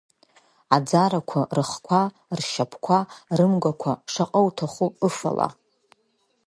Аӡарақәа рыхқәа, ршьапқәа, рымгәақәа, шаҟа уҭаху ыфала.